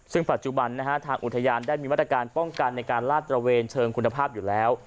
ซึ่งปัจจุบันทางอุทยานได้มีมาตรการป้องกันในการลาดตระเวนเชิงคุณภาพอยู่แล้ว